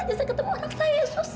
biar saya ketemu anak saya sus